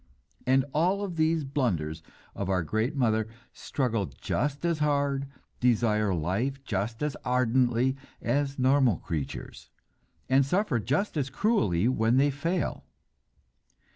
And all these blunders of our great mother struggle just as hard, desire life just as ardently as normal creatures, and suffer just as cruelly when they fail.